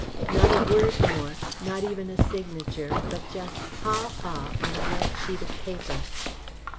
not a word more, not even a signature, but just "Ha! ha!" on a blank sheet of paper.